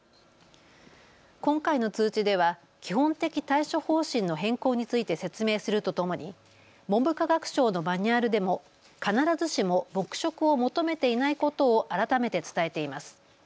今回の通知では基本的対処方針の変更について説明するとともに文部科学省のマニュアルでも必ずしも黙食を求めていないことを改めて伝えています。